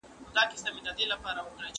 حق پالونکي تل په رښتیا کي نغښتي وي.